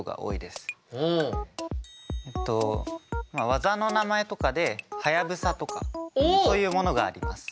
技の名前とかで「はやぶさ」とかそういうものがあります。